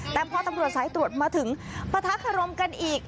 แต่พอตำรวจสายตรวจมาถึงปะทะคารมกันอีก